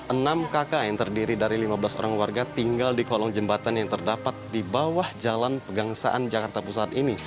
enam kakak yang terdiri dari lima belas orang warga tinggal di kolong jembatan yang terdapat di bawah jalan pegangsaan jakarta pusat ini